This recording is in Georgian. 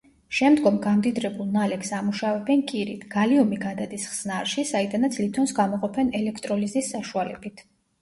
შემდგომ გამდიდრებულ ნალექს ამუშავებენ კირით, გალიუმი გადადის ხსნარში, საიდანაც ლითონს გამოყოფენ ელექტროლიზის საშუალებით.